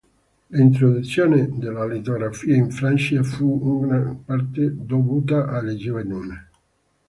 L'introduzione della litografia in Francia fu in gran parte dovuta a Lejeune.